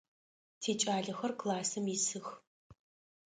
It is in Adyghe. Тикӏалэхэр классым исых.